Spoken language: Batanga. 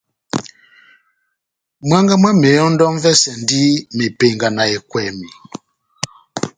Mwángá mwá mehɔndɔ m'vɛsɛndi mepenga na ekwèmi.